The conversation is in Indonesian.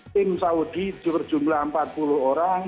tim saudi berjumlah empat puluh orang